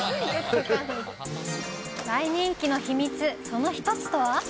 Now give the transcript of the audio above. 大人気の秘密、その一つとは。